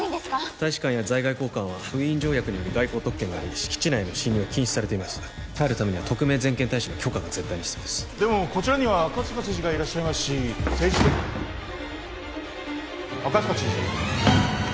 大使館や在外公館はウィーン条約により外交特権があり敷地内への侵入が禁止されています入るためには特命全権大使の許可が絶対に必要ですでもこちらには赤塚知事がいらっしゃいますし政治的赤塚知事？